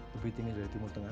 lebih tinggi dari timur tengah